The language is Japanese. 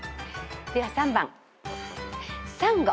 では３番。